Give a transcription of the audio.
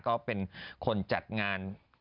ก็เป็นคนจัดงาน